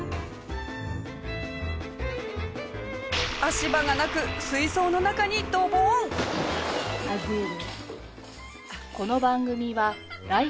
足場がなく水槽の中にドボンッ！